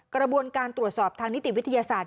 กระบวนการตรวจสอบทางนิติวิทยาศาสตร์